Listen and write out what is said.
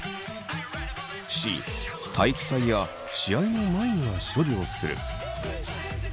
Ｃ体育祭や試合の前には処理をする。